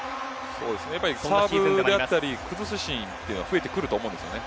サーブであったり崩すシーンが増えてくると思うんですよね。